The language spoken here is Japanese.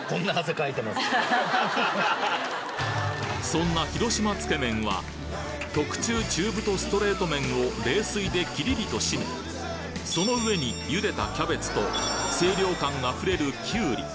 そんな広島つけ麺は特注中太ストレート麺を冷水でキリリとしめその上に茹でたキャベツと清涼感あふれるきゅうり